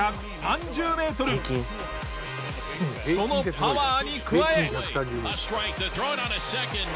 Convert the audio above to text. そのパワーに加え。